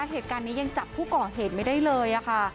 เหตุการณ์นี้ยังจับผู้ก่อเหตุไม่ได้เลยค่ะ